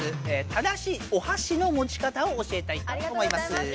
正しいおはしのもち方を教えたいと思います。